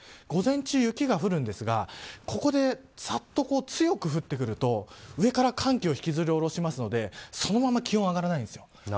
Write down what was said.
午前中、雪が降るんですがここで強く降ってくると上から寒気を引きずり降ろしますのでそのまま気温は上がらないんですよ。